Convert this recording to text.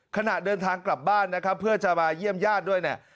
ขณะเดินทางกลับบ้านนะครับเพื่อจะมาเยี่ยมญาติด้วยเนี่ย